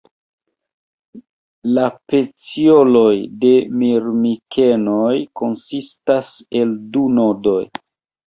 La pecioloj de Mirmikenoj konsistas el du nodoj.